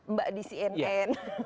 mbak di cnn